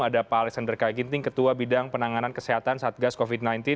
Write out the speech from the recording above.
ada pak alexander k ginting ketua bidang penanganan kesehatan saat gas covid sembilan belas